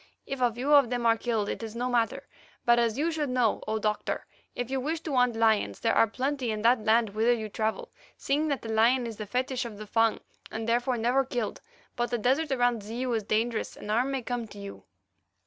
If a few of them are killed it is no matter, but as you should know, O Doctor, if you wish to hunt lions there are plenty in that land whither you travel, seeing that the lion is the fetish of the Fung and therefore never killed. But the desert about Zeu is dangerous and harm may come to you."